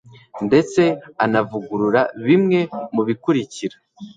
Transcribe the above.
ndetse anavugurura bimwe mu bikurikira